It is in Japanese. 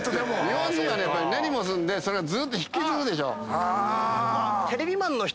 日本人は根に持つんでそれをずーっと引きずるでしょ。